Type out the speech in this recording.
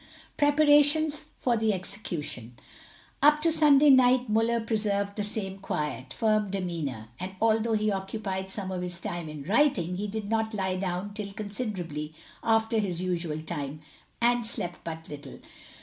PREPARATIONS FOR THE EXECUTION. Up to Sunday night Muller preserved the same quiet, firm demeanour, and although he occupied some of his time in writing, he did not lie down till considerably after his usual time, and slept but little.